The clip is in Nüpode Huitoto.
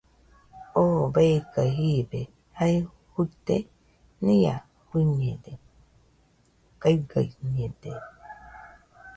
¿Oo beika jibie jae fuite?nia fuiñede, kaigañede.